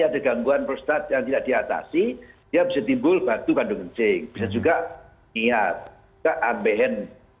ada gangguan prostat yang tidak diatasi ya bisa timbul batu kandung kencing bisa juga ambehen